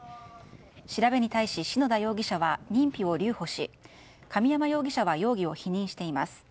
調べに対し篠田容疑者は認否を留保し神山容疑者は容疑を否認しています。